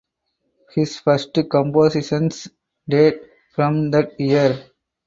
His first compositions date from that year.